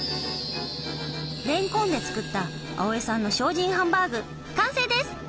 れんこんで作った青江さんの精進ハンバーグ完成です！